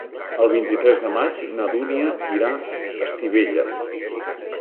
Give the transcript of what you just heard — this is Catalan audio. El vint-i-tres de maig na Dúnia irà a Estivella.